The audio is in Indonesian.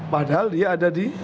padahal dia ada di